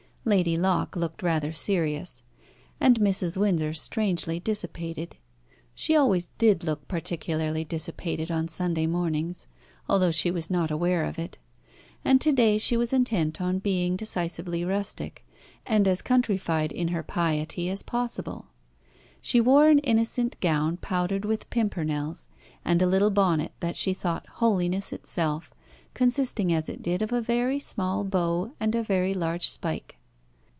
Lady Locke looked rather serious, and Mrs. Windsor strangely dissipated. She always did look particularly dissipated on Sunday mornings, although she was not aware of it; and to day she was intent on being decisively rustic, and as countrified in her piety as possible. She wore an innocent gown powdered with pimpernels, and a little bonnet that she thought holiness itself, consisting as it did of a very small bow and a very large spike.